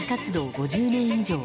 ５０年以上。